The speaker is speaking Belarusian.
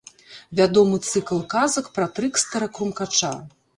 Вядомы цыкл казак пра трыкстэра-крумкача.